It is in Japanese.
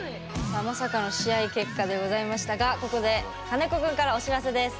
さあまさかの試合結果でございましたがここで金子君からお知らせです。